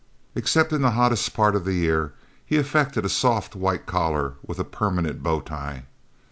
Except in the hottest part of the year he affected a soft white collar with a permanent bow tie.